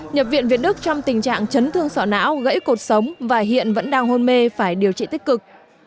nhập viện việt đức trong tình trạng chấn thương sọ não gãy cột sống và hiện vẫn đang hôn mê phải điều trị tích cực